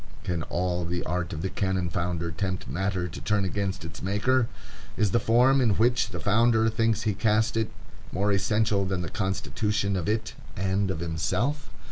Can all the art of the cannon founder tempt matter to turn against its maker? Is the form in which the founder thinks he casts it more essential than the constitution of it and of himself?